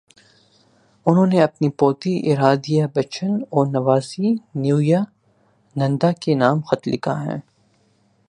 انہوں نے اپنی پوتی ارادھیابچن اور نواسی نیویا ننداکے نام خط لکھا ہے۔